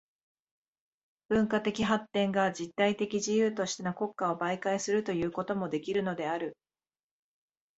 文化的発展が実体的自由としての国家を媒介とするということもできるのである。